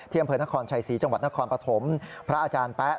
อำเภอนครชัยศรีจังหวัดนครปฐมพระอาจารย์แป๊ะ